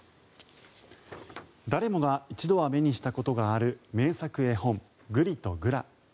誰もが一度は目にしたことがある名作絵本「ぐりとぐら」。